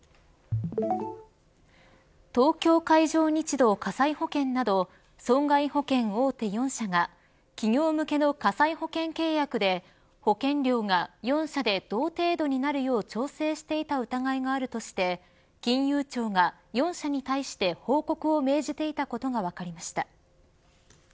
東京海上日動火災保険など損害保険大手４社が企業向けの火災保険契約で保険料が４社で同程度になるよう調整していた疑いがあるとして金融庁が４社に対して報告を命じていたことが分かりました。